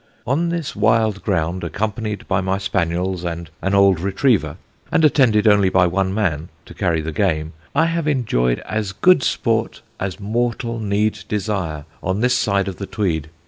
On this wild ground, accompanied by my spaniels and an old retriever, and attended only by one man, to carry the game, I have enjoyed as good sport as mortal need desire on this side of the Tweed.